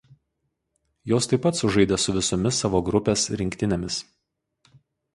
Jos taip pat sužaidė su visomis savo grupės rinktinėmis.